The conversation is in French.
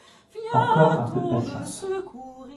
Encore un peu de patience.